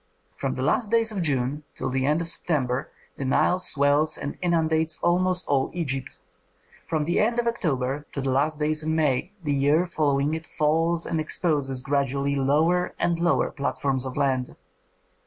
From the last days of June till the end of September the Nile swells and inundates almost all Egypt; from the end of October to the last days in May the year following it falls and exposes gradually lower and lower platforms of land.